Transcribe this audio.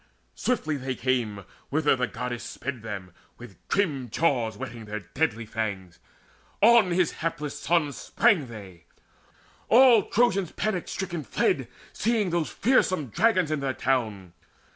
Swiftly they came Whither the Goddess sped them: with grim jaws Whetting their deadly fangs, on his hapless sons Sprang they. All Trojans panic stricken fled, Seeing those fearsome dragons in their town.